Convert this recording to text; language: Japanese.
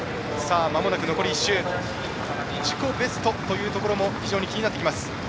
まもなく残り１周自己ベストというところも非常に気になってきます。